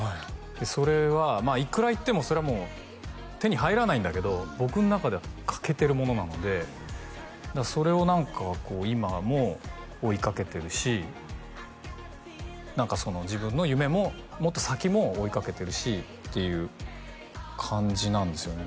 それはいくら言ってもそれはもう手に入らないんだけど僕の中では欠けてるものなのでそれを何かこう今も追いかけてるし何かその自分の夢ももっと先も追いかけてるしっていう感じなんですよね